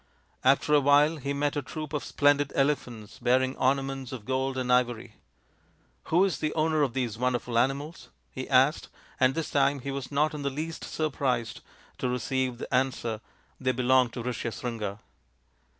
After a while he met a troop of splendid elephants bearing ornaments of gold and ivory. " Who is the owner of these wonderful animals ?" he asked, and this time he was not in the least surprised to receive the answer, " They belong to Rishyasringa."